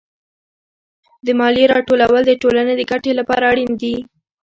د مالیې راټولول د ټولنې د ګټې لپاره اړین دي.